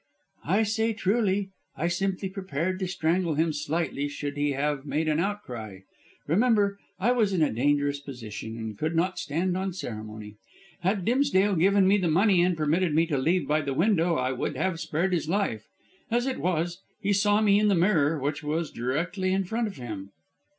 "I say truly. I simply prepared to strangle him slightly should he have made an outcry. Remember, I was in a dangerous position and could not stand on ceremony. Had Dimsdale given me the money and permitted me to leave by the window I would have spared his life. As it was, he saw me in the mirror, which was directly in front of him."